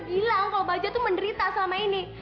padahal gue udah bilang kalau bajie tuh menderita selama ini